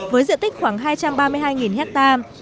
với diện tích khoảng hai trăm linh hectare